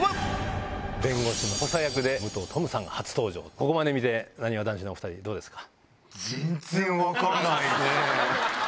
ここまで見てなにわ男子のお２人どうですか？